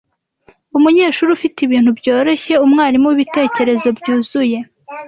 Umunyeshuri ufite ibintu byoroshye, umwarimu wibitekerezo byuzuye ,